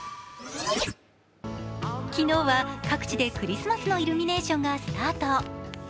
昨日は各地でクリスマスのイルミネーションがスタート。